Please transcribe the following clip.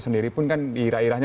sendiri pun kan ira iranya